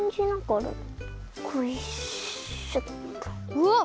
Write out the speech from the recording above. うわっ！